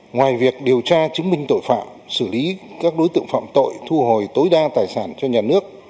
ngoài việc điều tra chứng minh tội phạm xử lý các đối tượng phạm tội thu hồi tối đa tài sản cho nhà nước